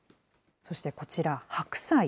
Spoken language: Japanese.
そしてこちら、白菜。